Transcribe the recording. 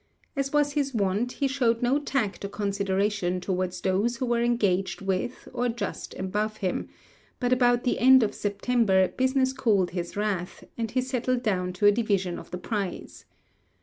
As was his wont, he showed no tact or consideration towards those who were engaged with or just above him; but about the end of September business cooled his wrath, and he settled down to a division of the prize.